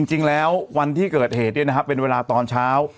จริงแล้ววันที่เกิดเหตุเป็นเวลาตอนเช้า